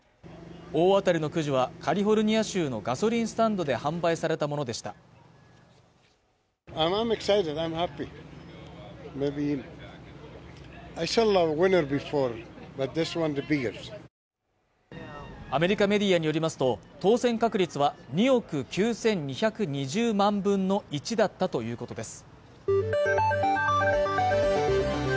大当たりのくじはカリフォルニア州のガソリンスタンドで販売されたものでしたアメリカメディアによりますと当選確率は２億９２２０万分の１だったということです